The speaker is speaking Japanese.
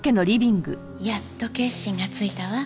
やっと決心がついたわ。